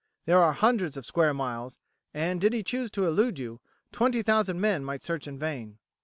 There are hundreds of square miles, and, did he choose to elude you, twenty thousand men might search in vain.